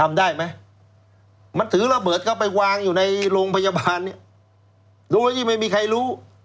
ได้ไหมมันถือระเบิดเข้าไปวางอยู่ในโรงพยาบาลเนี่ยโดยที่ไม่มีใครรู้